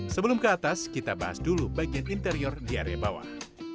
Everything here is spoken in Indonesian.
sebelum ke atas kita bahas dulu bagian interior di area bawah